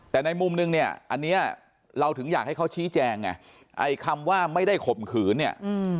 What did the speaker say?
แต่ในมุมนึงเนี่ยอันเนี้ยเราถึงอยากให้เขาชี้แจงไงไอ้คำว่าไม่ได้ข่มขืนเนี่ย